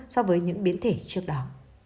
so với những biến thể trước đó